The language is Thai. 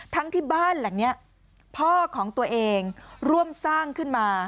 ทั้งที่บ้านหลังนี้พ่อของตัวเองร่วมสร้างขึ้นมา